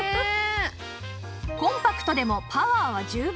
コンパクトでもパワーは十分